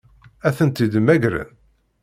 Ad tent-id-mmagren?